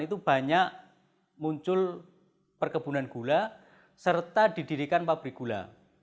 itu banyak muncul perkebunan gula serta didirikan pabrik gula